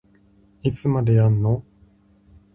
いつまでやんの